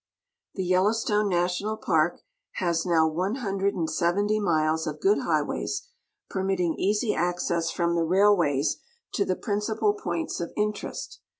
The Yellowstone National Park has now 170 miles of good highways, permitting easy acce.ss from the railways to the principal points of interest.